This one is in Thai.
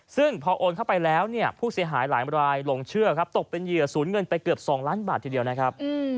ซึ่งพอโอนเข้าไปแล้วเนี่ยผู้เสียหายหลายรายหลงเชื่อครับตกเป็นเหยื่อสูญเงินไปเกือบ๒ล้านบาททีเดียวนะครับ